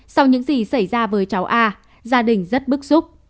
sau những gì xảy ra với cháu a gia đình rất bức xúc